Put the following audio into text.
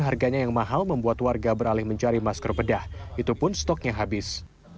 harganya yang mahal membuat warga beralih mencari masker bedah itu pun stoknya habis